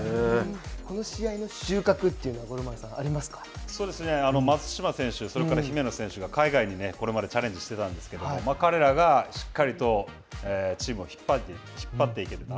この試合の収穫というのは五郎丸さん松島選手それから姫野選手が海外にこれまでチャレンジしていたんですけれども彼らがしっかりとチームを引っ張っていけてた。